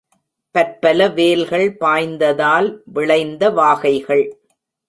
பற்பல வேல்கள் பாய்ந்ததால் விளைந்த வாகைகள்!